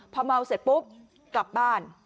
พอเมาเสร็จปุ๊บกลับบ้าน